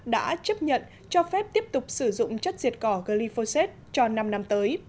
đã chấp nhận cho phép tiếp tục sử dụng chất diệt cỏ glyphosate cho năm năm tới